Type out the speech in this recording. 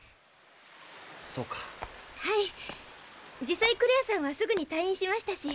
実際クレアさんはすぐに退院しましたし。